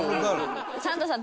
サンドさん